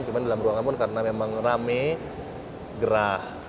cuman di dalam ruangan pun karena memang rame gerah